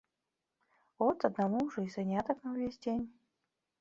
От аднаму ўжо й занятак на ўвесь дзень.